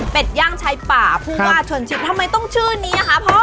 เป็นย่างชายป่าผู้ว่าชนชิดทำไมต้องชื่อนี้อะคะพ่อ